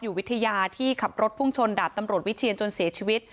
อยู่วิทยาฯที่ขับรถผู้ชนดัดตำรวจวิทยาฯจนเสียชีวิต